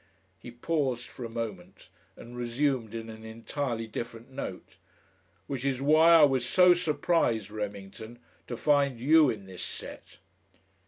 He paused for a moment, and resumed in an entirely different note: "Which is why I was so surprised, Remington, to find YOU in this set!"